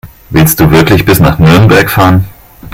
Willst du wirklich bis nach Nürnberg fahren?